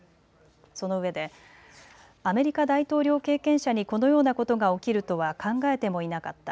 そのうえでアメリカ大統領経験者にこのようなことが起きるとは考えてもいなかった。